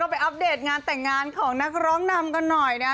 อัปเดตงานแต่งงานของนักร้องนำกันหน่อยนะ